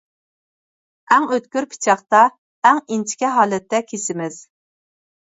ئەڭ ئۆتكۈر پىچاقتا، ئەڭ ئىنچىكە ھالەتتە كېسىمىز.